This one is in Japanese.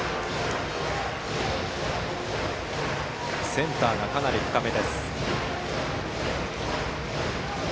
センターがかなり深め。